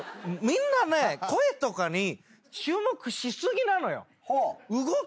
みんなね声とかに注目し過ぎなのよ。